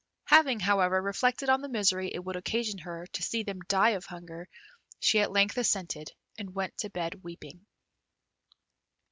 Having, however, reflected on the misery it would occasion her to see them die of hunger, she at length assented, and went to bed weeping.